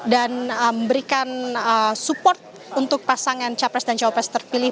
dan memberikan support untuk pasangan capres dan cowopres terpilih